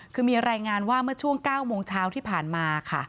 คือมีรายงานว่าเมื่อช่วง๙โมงเช้าที่ผ่านมาค่ะ